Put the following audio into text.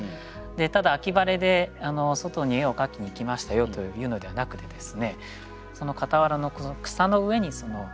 ただ秋晴で外に絵を描きに行きましたよというのではなくてですね